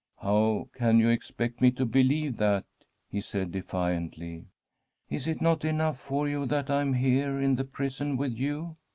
' How can you expect me to believe that ?' he said defiantly. ' Is it not enough for you that I am here in the prison with you